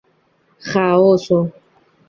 Ĥaoso.